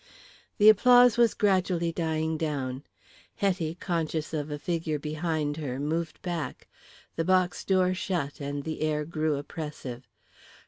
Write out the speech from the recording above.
The applause was gradually dying down. Hetty, conscious of a figure behind her, moved back. The box door shut and the air grew oppressive.